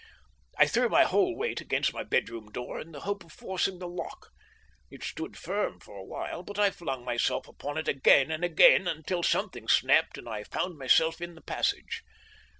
"I threw my whole weight against my bedroom door in the hope of forcing the lock. It stood firm for a while, but I flung myself upon it again and again, until something snapped and I found myself in the passage.